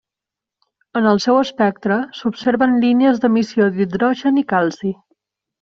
En el seu espectre s'observen línies d'emissió d'hidrogen i calci.